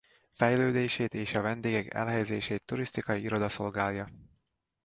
Fejlődését és a vendégek elhelyezését turisztikai iroda szolgálja.